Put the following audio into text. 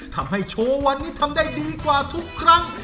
ทำให้โชว์วันนี้ทำได้ดีกว่าทุกครั้ง